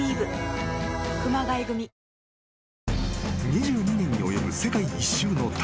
［２２年に及ぶ世界一周の旅。